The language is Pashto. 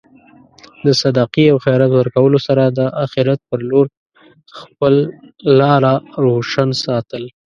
د صدقې او خیرات ورکولو سره د اخرت په لور خپل لاره روشن ساتل.